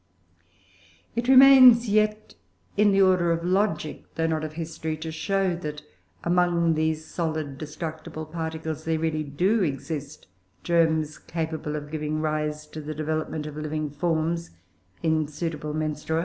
It remains yet in the order of logic, though not of history, to show that among these solid destructible particles, there really do exist germs capable of giving rise to the development of living forms in suitable menstrua.